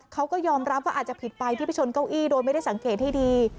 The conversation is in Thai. เขาก็ยอมรับว่าอาจจะผิดไปที่ไปชนเก้าอี้โดยไม่ได้สังเกตให้ดี